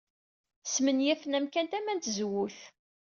Smenyafen amkan tama n tzewwut.